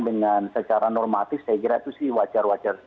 dengan secara normatif saya kira itu sih wajar wajar